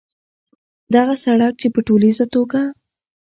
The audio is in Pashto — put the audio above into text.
دغه سړک چې په ټولیزه توګه